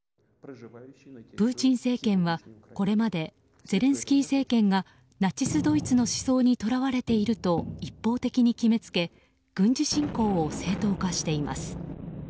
プーチン政権はこれまでゼレンスキー政権がナチスドイツの思想にとらわれていると一方的に決めつけ軍事侵攻を正当化しています。